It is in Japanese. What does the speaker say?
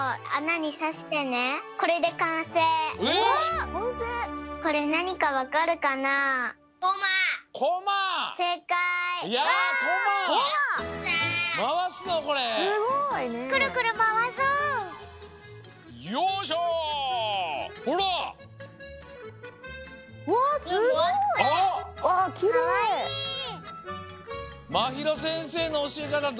まひろせんせいのおしえかたどうだった？